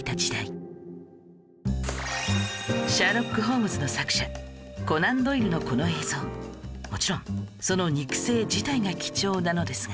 『シャーロック・ホームズ』の作者コナン・ドイルのこの映像もちろんその肉声自体が貴重なのですが